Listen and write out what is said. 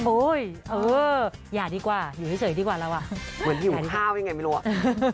เอออย่าดีกว่าอยู่เฉยดีกว่าแล้วอ่ะเหมือนหิวข้าวยังไงไม่รู้อ่ะ